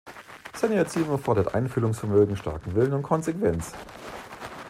Seine Erziehung erfordert Einfühlungsvermögen, starken Willen und Konsequenz.